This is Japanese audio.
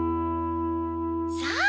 さあ